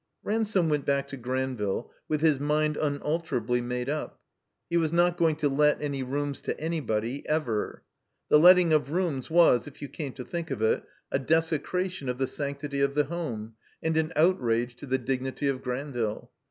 Ransome went back to Granville with his mind tmalterably made up. He was not going to let any rooms to anybody, ever. The letting of rooms was, if you came to think of it, a desecration of the sanctity of the home and an outrage to the dignity of Gran ville.